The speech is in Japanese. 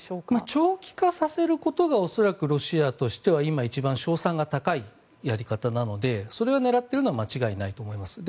長期化させることが恐らく、ロシアとしては今、一番勝算が高いやり方なのでそれを狙っているのは間違いないと思います。